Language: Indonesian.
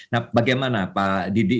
nah bagaimana pak didi